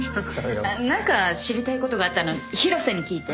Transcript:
何か知りたいことがあったら広瀬に聞いて。